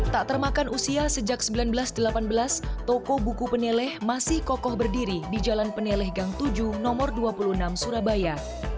tak termakan usia sejak seribu sembilan ratus delapan belas toko buku peneleh masih kokoh berdiri di jalan peneleh gang tujuh nomor dua puluh enam surabaya